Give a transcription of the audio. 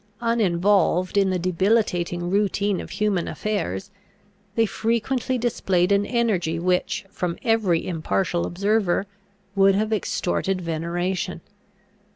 Uninvolved in the debilitating routine of human affairs, they frequently displayed an energy which, from every impartial observer, would have extorted veneration.